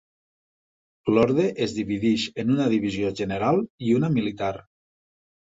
L'ordre es divideix en una divisió general i una militar.